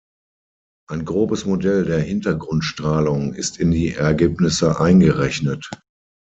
Ein grobes Modell der Hintergrundstrahlung ist in die Ergebnisse eingerechnet.